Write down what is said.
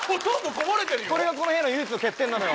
これがこの部屋の唯一の欠点なのよ。